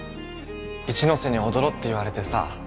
一ノ瀬に踊ろうって言われてさ